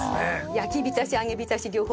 焼き浸し揚げ浸し両方。